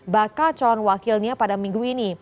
bakal calon wakilnya pada minggu ini